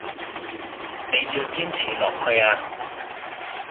你要堅持落去啊